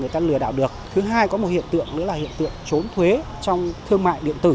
thứ hai có một hiện tượng nữa là hiện tượng trốn thuế trong thương mại điện tử